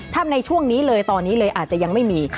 ถ้าในช่วงนี้เลยตอนนี้เลยอาจจะยังไม่มี